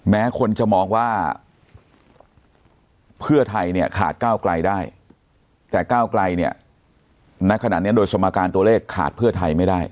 แม้คนจะมองว่าเพื่อไทยเนี่ยขาดก้าวไกลได้